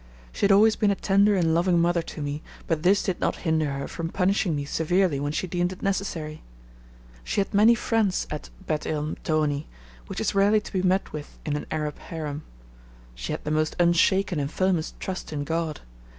She had always been a tender and loving mother to me, but this did not hinder her from punishing me severely when she deemed it necessary. She had many friends at Bet il Mtoni, which is rarely to be met with in an Arab harem. She had the most unshaken and firmest trust in God.